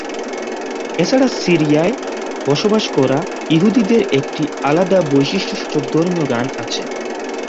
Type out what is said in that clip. এছাড়া সিরিয়ায় বসবাস করা ইহুদিদের একটি আলাদা বৈশিষ্ট্যসূচক ধর্মীয় গান আছে।